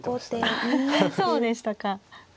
あそうでしたか。